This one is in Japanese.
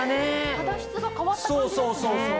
肌質が変わった感じですね。